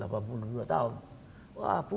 saya sudah tua